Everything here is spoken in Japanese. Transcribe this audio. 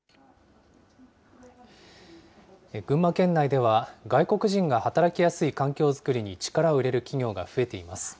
群馬県内では、外国人が働きやすい環境作りに力を入れる企業が増えています。